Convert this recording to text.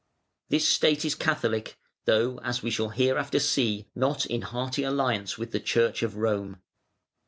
This State is Catholic, though, as we shall hereafter see, not in hearty alliance with the Church of Rome.